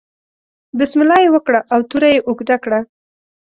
بسم الله یې وکړه او توره یې اوږده کړه.